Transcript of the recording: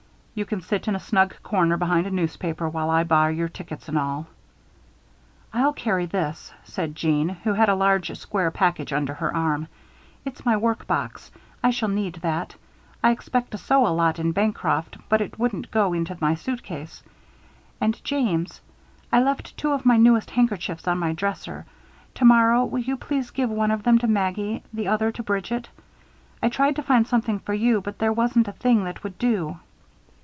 You can sit in a snug corner behind a newspaper, while I buy your tickets and all." "I'll carry this," said Jeanne, who had a large square package under her arm. "It's my work box. I shall need that. I expect to sew a lot in Bancroft, but it wouldn't go into my suitcase. And, James. I left two of my newest handkerchiefs on my dresser. Tomorrow, will you please give one of them to Maggie, the other to Bridget? I tried to find something for you; but there wasn't a thing that would do."